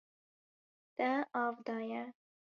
Te av daye.